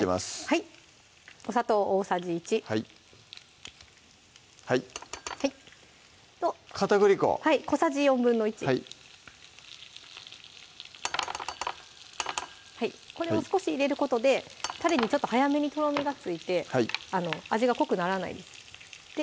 はいお砂糖大さじ１はい片栗粉小さじ１／４これを少し入れることでたれにちょっと早めにとろみがついて味が濃くならないですで